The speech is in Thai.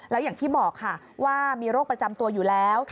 แล้วอย่างที่บอกค่ะว่ามีโรคประจำตัวอยู่แล้ว